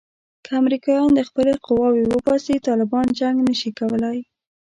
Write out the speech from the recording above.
که امریکایان خپلې قواوې وباسي طالبان جنګ نه شي کولای.